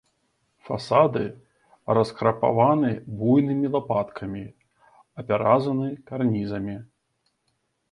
Фасады раскрапаваны буйнымі лапаткамі, апяразаны карнізамі.